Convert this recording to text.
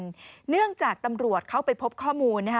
ที่สร้างตำรวจเข้าไปพบข้อมูล